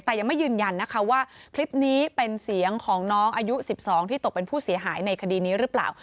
แต่ยังไม่ยืนยันนะคะว่าคลิปนี้เป็นเสียงของน้องอายุ๑๒ที่ตกเป็นผู้เสียหายในคดีนี้หรือเปล่า